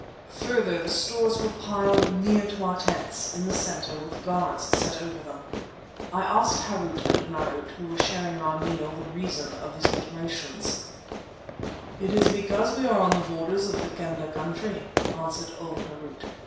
Further, the stores were piled near our tents, in the centre, with guards set over them. I asked Harût and Marût, who were sharing our meal, the reason of these alterations. "It is because we are on the borders of the Kendah country," answered old Harût.